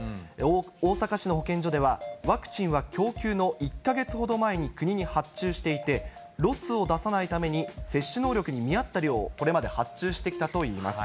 大阪市の保健所では、ワクチンは供給の１か月ほど前に国に発注していて、ロスを出さないために、接種能力に見合った量を、これまで発注してきたといいます。